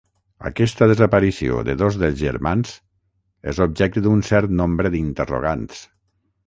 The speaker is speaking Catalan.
Aquesta desaparició de dos dels germans és objecte d'un cert nombre d'interrogants.